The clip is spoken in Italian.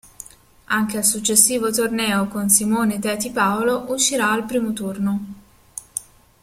Anche al successivo torneo con Simone Teti Paolo uscirà al primo turno.